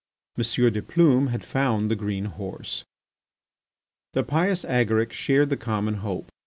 de Plume had found the green horse. The pious Agaric shared the common hope.